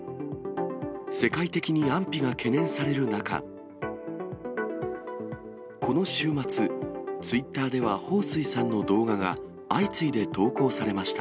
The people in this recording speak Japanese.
世界的に安否が懸念される中、この週末、ツイッターでは彭帥さんの動画が、相次いで投稿されました。